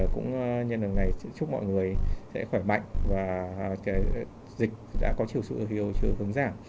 cũng nhân lần này chúc mọi người sẽ khỏe mạnh và dịch đã có chiều sự hướng giảm